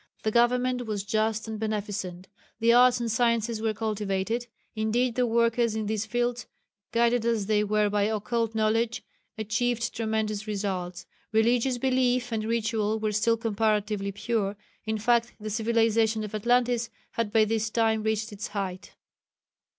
The government was just and beneficent; the arts and sciences were cultivated indeed the workers in these fields, guided as they were by occult knowledge, achieved tremendous results; religious belief and ritual was still comparatively pure in fact the civilization of Atlantis had by this time reached its height.